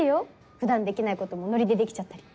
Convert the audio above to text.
普段できないこともノリでできちゃったり。